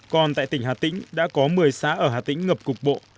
còn tại tỉnh hà tĩnh đã có một mươi xã ở hà tĩnh ngập cục bộ